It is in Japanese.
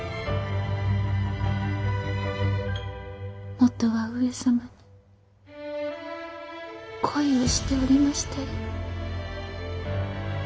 もとは上様に恋をしておりましたよ。